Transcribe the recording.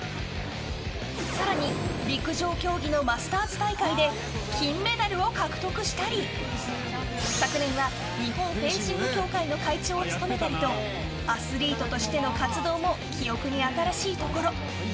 更に陸上競技のマスターズ大会で金メダルを獲得したり昨年は日本フェンシング協会の会長を務めたりとアスリートとしての活動も記憶に新しいところ。